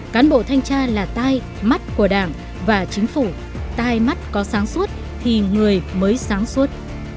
cán bộ thanh tra là tai mắt của đảng và chính phủ tai mắt có sáng suốt thì người mới sáng suốt